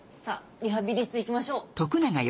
さあリハビリ室行きましょう。